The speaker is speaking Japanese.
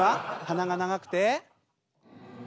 鼻が長くて。